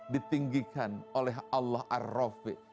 ditinggikan oleh allah ar rafiq